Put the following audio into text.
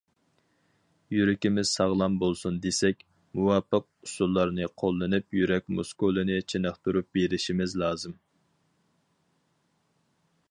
يۈرىكىمىز ساغلام بولسۇن دېسەك، مۇۋاپىق ئۇسۇللارنى قوللىنىپ يۈرەك مۇسكۇلىنى چېنىقتۇرۇپ بېرىشىمىز لازىم.